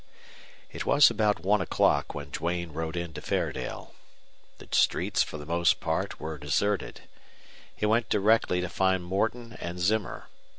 It was about one o'clock when Duane rode into Fairdale. The streets for the most part were deserted. He went directly to find Morton and Zimmer.